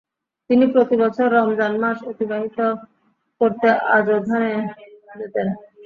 তিনি প্রতি বছর রমজান মাস অতিবাহিত করতে আজোধানে যেতেন।